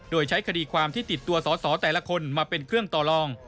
โดยใช้คดีความที่ติดตัวสอสอแต่ละคนมาเป็นเครื่องต่อลอง